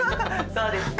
そうですね。